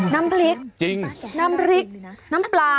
น้ำพริกจริงน้ำพริกน้ำปลา